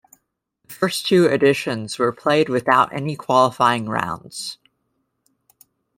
The first two editions were played without any qualifying rounds.